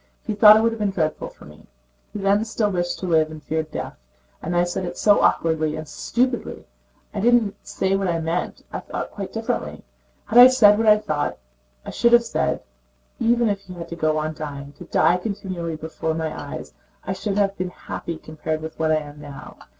He thought it would be dreadful for me. He then still wished to live and feared death. And I said it so awkwardly and stupidly! I did not say what I meant. I thought quite differently. Had I said what I thought, I should have said: even if he had to go on dying, to die continually before my eyes, I should have been happy compared with what I am now.